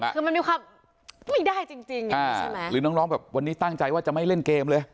คือมันนิวครับไม่ได้จริงอย่างนี้ใช่ไหมหรือน้องแบบวันนี้ตั้งใจว่าจะไม่เล่นเกมเลย